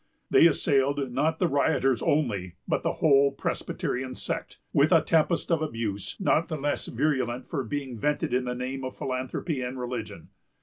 They assailed not the rioters only, but the whole Presbyterian sect, with a tempest of abuse, not the less virulent for being vented in the name of philanthropy and religion.